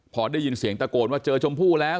พอได้ยินเสียงตะโกนว่าเจอชมพู่แล้ว